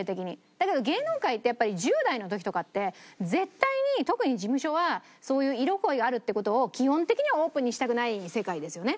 だけど芸能界ってやっぱり１０代の時とかって絶対に特に事務所はそういう色恋があるって事を基本的にはオープンにしたくない世界ですよね